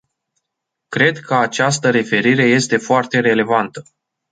Cred că această referire este foarte relevantă.